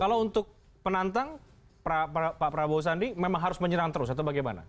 kalau untuk penantang pak prabowo sandi memang harus menyerang terus atau bagaimana